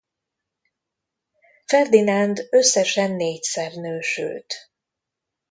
Ferdinánd összesen négyszer nősült.